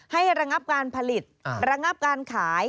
ให้รังอับการผลิตรังอับการขาย